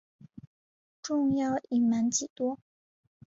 仲要隐瞒几多？